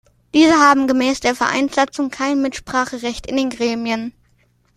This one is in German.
Diese haben gemäß der Vereinssatzung kein Mitspracherecht in den Gremien.